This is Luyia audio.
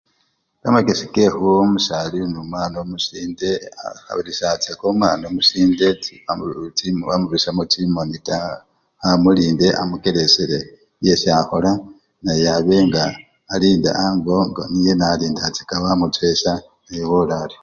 Kamakesi kekhuwa omusali olinomwana omusinde, akha fukilisyanga omwana omusinde wamubirisyamo chimoni taa, khamulinde amukelesyile byesi akhola naye abe nga alinda ango nga niye nalindachaka wamuchowesya newola aryo.